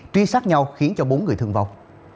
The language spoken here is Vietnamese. truy sát nhau khiến cho bốn người thương vọng